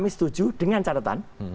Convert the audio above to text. setuju dengan catatan